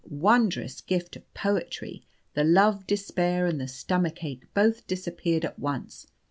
wondrous gift of poetry the love despair and the stomach ache both disappeared at once.